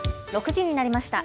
６時になりました。